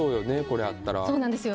これあったら。